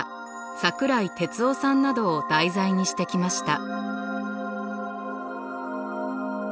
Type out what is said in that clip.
桜井哲夫さんなどを題材にしてきました。